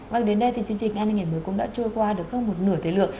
vâng đến đây thì chương trình anntv cũng đã trôi qua được hơn một nửa thời lượng